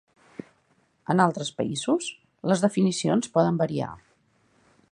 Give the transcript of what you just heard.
En altres països, les definicions poden variar.